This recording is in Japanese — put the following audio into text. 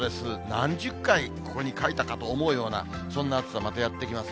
何十回ここに書いたかと思うようなそんな暑さ、またやって来ます。